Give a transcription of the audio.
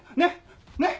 ねっ？